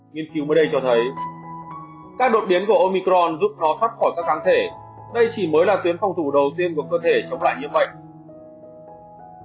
nghiên cứu mới đây cho thấy các đột biến của omicron giúp nó thoát khỏi các kháng thể đây chỉ mới là tuyến phòng thủ đầu tiên của cơ thể chống lại nhiễm bệnh